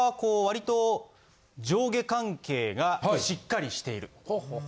わりと上下関係がしっかりしている。